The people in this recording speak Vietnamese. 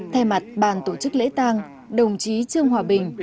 thay mặt ban tổ chức lễ tăng đồng chí trương hòa bình